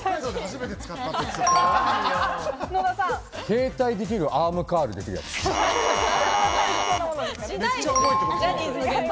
携帯できる、アームカールできるやつ。